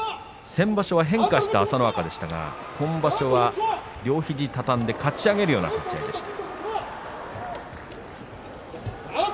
先場所は変化した朝乃若でしたが今場所は両肘、肩でかち上げるような立ち合いでした。